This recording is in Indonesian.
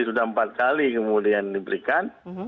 sudah empat kali kemudian diberikan